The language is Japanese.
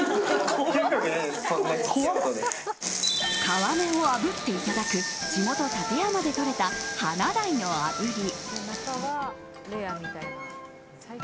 皮目をあぶっていただく地元・館山でとれたハナダイの炙り。